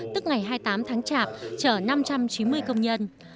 tức ngày hai mươi tám tháng chạp chở năm trăm chín mươi công nhân